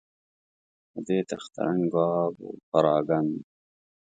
له دې تخته رنګ او آب ور بپراګند.